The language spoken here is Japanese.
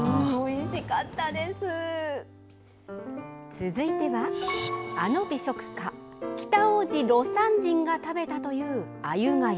続いてはあの美食家・北大路魯山人が食べたという、あゆがゆ。